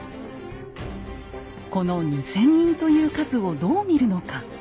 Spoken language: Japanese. この２，０００人という数をどう見るのか。